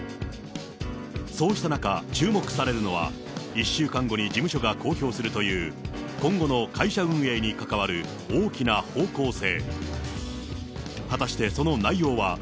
そうした中、注目されるのは、１週間後に事務所が公表するという今後の会社運営に関わる大きな方向性。